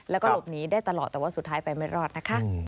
แล้วก็หลบหนีได้ตลอดแต่ว่าสุดท้ายไปไม่รอดนะคะ